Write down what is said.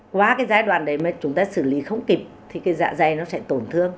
qua cái giai đoạn đấy mà chúng ta xử lý không kịp thì cái dạ dày nó sẽ tổn thương